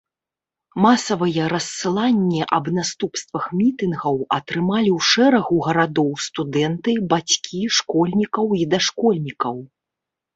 Масавыя рассыланні аб наступствах мітынгаў атрымалі ў шэрагу гарадоў студэнты, бацькі школьнікаў і дашкольнікаў.